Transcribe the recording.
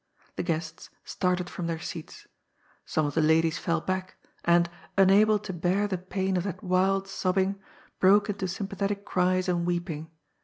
The guests started from their seats. Some of the ladies fell back, and, unable to bear the pain of that wild sobbing, broke into sympathetic cries and weeping.